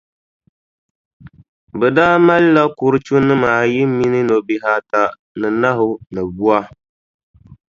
Bɛ daa malila kurichunima ayi mini nobihi ata ni nahu ni bua.